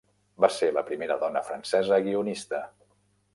Va ser la primera dona francesa guionista.